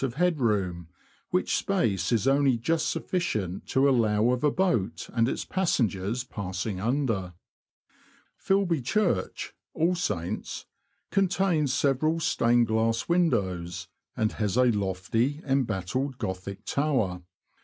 of head room, which space is only just sufficient to allow of a boat and its passengers passing under. Filby Church (All Saints') contains several stained glass windows, and has a lofty, embattled Gothic tower.